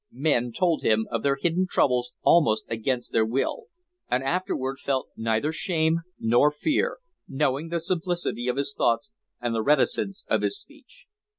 Men told him of their hidden troubles almost against their will, and afterward felt neither shame nor fear, knowing the simplicity of his thoughts and the reticence of his speech.